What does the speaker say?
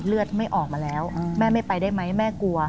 เลือดไม่ออกมาแล้วแม่ไม่ไปได้ไหมแม่กลัว